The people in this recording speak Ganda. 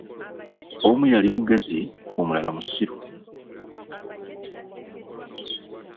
Omu yali mugezi, ng'omulala musiru.